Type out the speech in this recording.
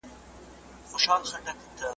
له غلامه تر باداره شرمنده یې د روزګار کې .